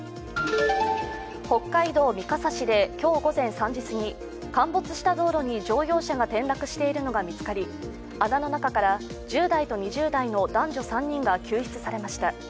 北海道三笠市で今日午前３時すぎ、陥没した道路に乗用車が転落しているのが見つかり、穴の中から１０代と２０代の男女３人が救出されました。